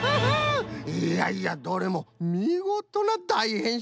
いやいやどれもみごとなだいへんしんじゃったな。